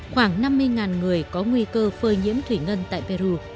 khoảng năm mươi người có nguy cơ phơi nhiễm thủy ngân tại peru